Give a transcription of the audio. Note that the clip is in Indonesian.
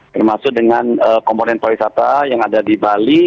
termasuk dengan komponen pariwisata yang ada di bali